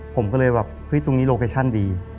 ผมก็เลยแบบเฮ้ยตรงนี้โลเคชั่นดี